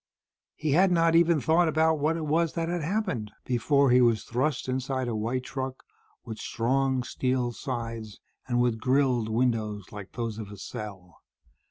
He had not even thought about what it was that had happened, before he was thrust inside a white truck, with strong steel sides and with grilled windows like those of a cell.